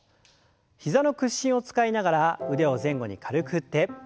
膝の屈伸を使いながら腕を前後に軽く振って。